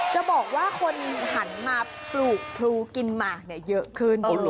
จะบอกว่าคนหันมาปลูกพลูกินหมากเยอะขึ้น